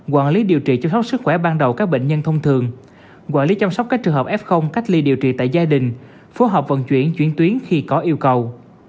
quản lý điều trị cho hốt sức khỏe ban đầu các bệnh nhân thông thường quản lý chăm sóc các trường hợp f cách ly điều trị tại gia đình phối hợp vận chuyển chuyển tuyến khi có yêu cầu